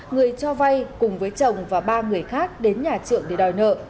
người cho vay cùng với chồng và ba người khác đến nhà trưởng để đòi nợ